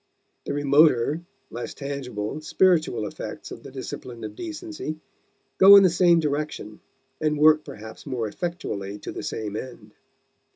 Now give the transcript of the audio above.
The remoter, less tangible, spiritual effects of the discipline of decency go in the same direction and work perhaps more effectually to the same end.